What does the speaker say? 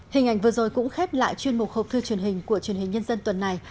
hình ảnh vừa rồi cũng khép lại chuyên mục hộp thư truyền hình của truyền hình nhân dân tuần này